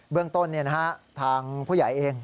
เรื่องต้นทางผู้ใหญ่เอง